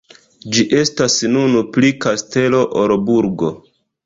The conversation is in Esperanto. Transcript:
Ĝi estas nun pli kastelo ol burgo.